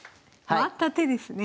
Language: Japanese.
回った手ですね。